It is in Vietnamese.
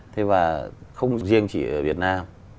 thế và không riêng chỉ ở việt nam